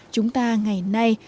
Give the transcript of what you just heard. chúng ta ngày nay